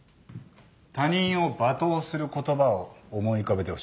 他人を罵倒する言葉を思い浮かべてほしい。